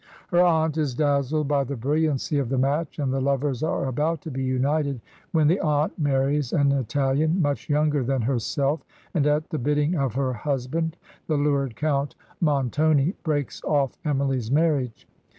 Her aunt is dazzled by the brilliancy of the match, and the lovers are about to be united, when the aunt marries an Italian, much younger than herself, and at the bidding of her husband, the lurid Count Mon toni, breaks oflf Emily's marriage.